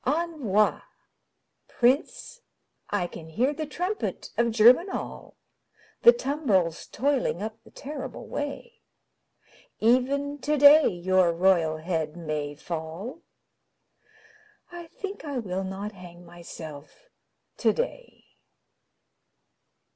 Envoi Prince, I can hear the trumpet of Germinal, The tumbrils toiling up the terrible way; Even today your royal head may fall I think I will not hang myself today.